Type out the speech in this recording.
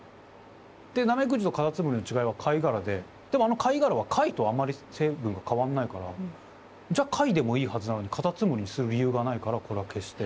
でナメクジとカタツムリの違いは貝殻ででもあの貝殻は貝とあまり成分が変わんないからじゃあ貝でもいいはずなのにカタツムリにする理由がないからこれは消して。